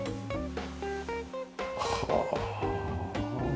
はあ。